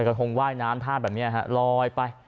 ก็คงว่ายน้ำท่าแบบนี้ฮะลอยไป